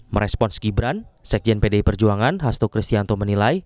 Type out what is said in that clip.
merespons gibran sekjen pdi perjuangan hasto kristianto menilai